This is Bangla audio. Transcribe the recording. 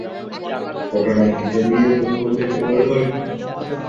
ফটো নেই, কিন্তু ভিডিও কল করলে কেমন হয়?